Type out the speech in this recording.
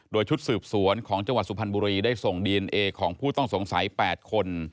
โดยชุดสืบสวนของจังหวัดสุพรรณบุรีได้ส่งดีเอนเอของผู้ต้องสงสัย๘คน